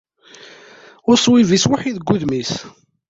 Uṣwib ittweḥḥid deg wudem-is.